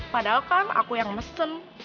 padahal kan aku yang mesen